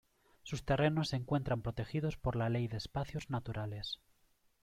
Sus terrenos se encuentran protegidos por la "Ley de Espacios Naturales".